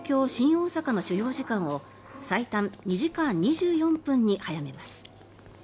大阪の所要時間を最短２時間２４分に早めます。